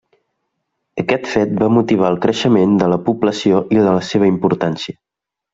Aquest fet va motivar el creixement de la població i de la seva importància.